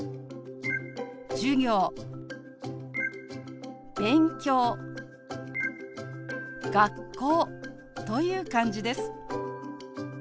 「授業」「勉強」「学校」という感じです。